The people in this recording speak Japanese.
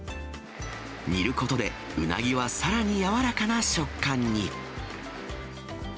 煮ることでうなぎはさらに軟らかな食感に。